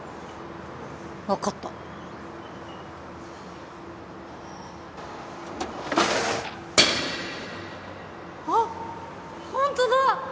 分かったあっホントだ！